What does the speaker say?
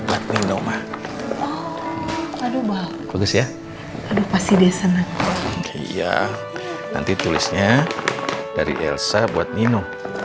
bagus ya pasti dia senang nanti tulisnya dari elsa buat mino